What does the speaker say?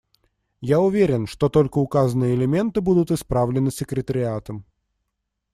Я уверен, что только указанные элементы будут исправлены секретариатом.